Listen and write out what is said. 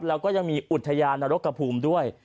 แล้วก็ยังมีอุทยานนรกกระภูมิด้วย